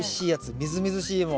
みずみずしいもん。